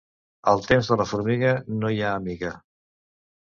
Al temps de la formiga, no hi ha amiga.